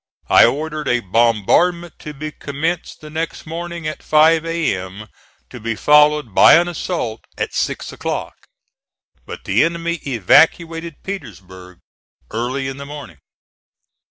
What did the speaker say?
I ordered a bombardment to be commenced the next morning at five A.M., to be followed by an assault at six o'clock; but the enemy evacuated Petersburg early in the morning.